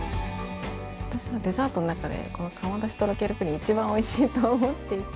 私はデザートの中でこの窯出しとろけるプリンが一番おいしいと思っていて。